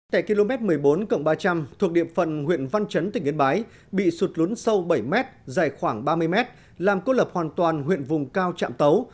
tại km một mươi bốn cộng ba trăm linh thuộc điểm phần huyện văn chấn tỉnh yên bái bị sụt lún sâu bảy m dài khoảng ba mươi m làm cốt lập hoàn toàn huyện vùng cao chạm tấu